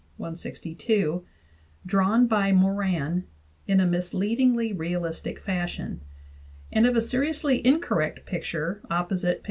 162), drawn by Moran in a mislead ingly realistic fashion ; and of a seriously incorrect picture (opposite p.